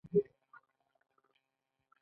سیاست له هغو ټولیزو دستورالعملونو څخه عبارت دی.